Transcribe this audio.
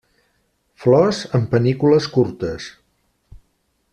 Flors en panícules curtes.